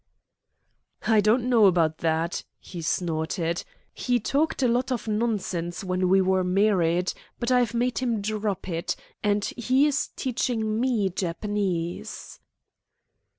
"I don't know about that," she snorted. "He talked a lot of nonsense when we were married, but I've made him drop it, and he is teaching me Japanese."